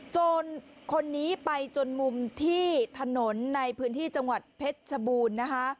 โจรคนนี้ไปจนมุมที่ถนนในพื้นที่จังหวัดเพชรชบูรณ์นะคะ